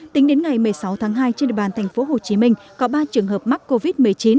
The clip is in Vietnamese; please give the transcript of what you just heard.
tính đến ngày một mươi sáu tháng hai trên địa bàn tp hcm có ba trường hợp mắc covid một mươi chín